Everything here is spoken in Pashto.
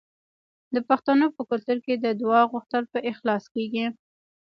د پښتنو په کلتور کې د دعا غوښتل په اخلاص کیږي.